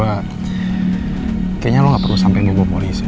kayaknya lo gak perlu sampe ngebawa polisi